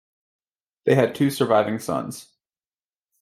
They had two surviving sons.